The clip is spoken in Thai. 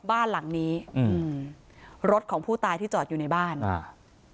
บ้านหลังนี้อืมรถของผู้ตายที่จอดอยู่ในบ้านอ่า